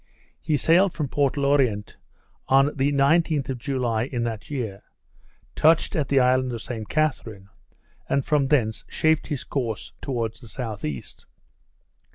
He sailed from Port L'Orient on the 19th of July in that year; touched at the island of St Catherine; and from thence shaped his course towards the south east.